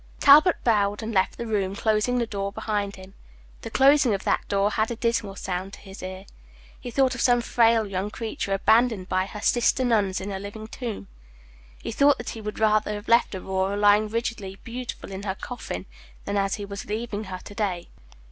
Talbot bowed, and left the room, closing the door behind him. The closing of that door had a dismal sound to his ear. He thought of some frail young creature abandoned by her sister nuns in a living tomb. He thought that he would rather have left Aurora lying rigidly beautiful in her coffin than as he was leaving her to day.